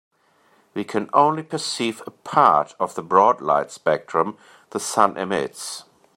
We can only perceive a part of the broad light spectrum the sun emits.